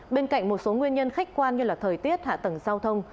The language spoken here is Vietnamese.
bên cạnh một số nguyên nhân khách quan như thời tiết hạ tầng giao thông